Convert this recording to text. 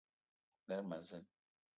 Lerma a zeen.